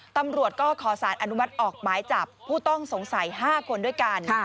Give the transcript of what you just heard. ตำรวจก็ขอสารอนุมัติออกหมายจับผู้ต้องสงสัย๕คนด้วยกัน